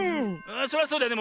それはそうだよね。